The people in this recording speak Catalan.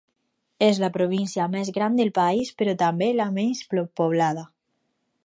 És la província més gran del país però també la menys poblada.